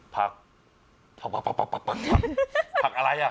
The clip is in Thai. ผักอะไรน่ะ